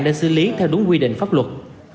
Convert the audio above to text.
để xử lý theo đúng quy định pháp luật